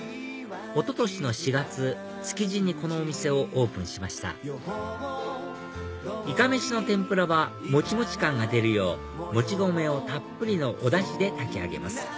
一昨年の４月築地にこのお店をオープンしましたイカメシの天ぷらはもちもち感が出るようもち米をたっぷりのおダシで炊き上げます